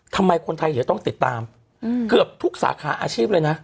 ทำไมคนไทยเดี๋ยวต้องติดตามเกือบทุกสาขาอาชีพเลยนะ